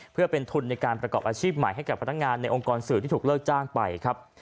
เพื่อเป็นทุนในการประกอบอาชีพใหม่ให้กับพนักงานในองค์กรสื่อที่ถูกเลิกจ้างไปครับ